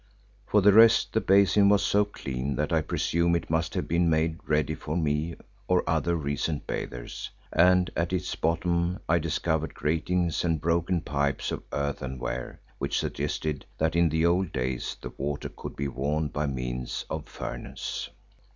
For the rest, the basin was so clean that I presume it must have been made ready for me or other recent bathers, and at its bottom I discovered gratings and broken pipes of earthenware which suggested that in the old days the water could be warmed by means of a furnace.